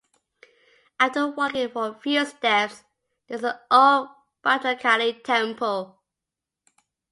After walking for few steps there is an old Bhadrakali temple.